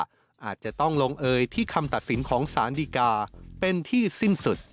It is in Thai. อาจจะต้องลงเอยที่คำตัดสินของสารดีกาเป็นที่สิ้นสุด